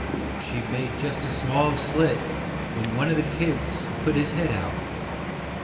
She had just made a small slit, when |^ one of the kids put his head out.